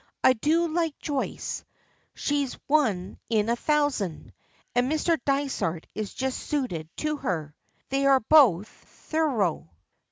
I do like Joyce. She's one in a thousand, and Mr. Dysart is just suited to her. They are both thorough!